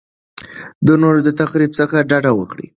د نورو د تخریب څخه ډډه وکړئ.